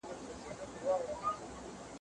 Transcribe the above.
ایا اقتصادي وده ټولنیزې ستونزې حل کوي؟